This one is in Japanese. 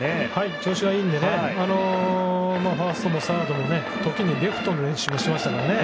調子がいいのでファーストもサードも時にレフトもいい守備してましたね。